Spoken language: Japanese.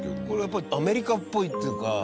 これやっぱりアメリカっぽいっていうか。